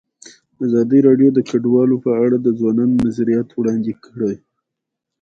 ازادي راډیو د کډوال په اړه د ځوانانو نظریات وړاندې کړي.